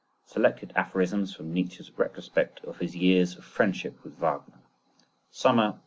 SELECTED APHORISMS FROM NIETZSCHE'S RETROSPECT OF HIS YEARS OF FRIENDSHIP WITH WAGNER. (_Summer 1878.